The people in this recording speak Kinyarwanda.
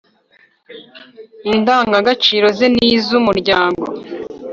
indagagaciro ze n iz umuryango